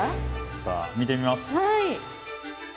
さあ見てみます。